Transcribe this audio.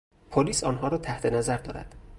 پلیس آنها را تحت نظر دارد.